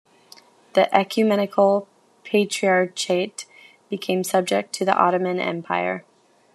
The Ecumenical Patriarchate became subject to the Ottoman Empire.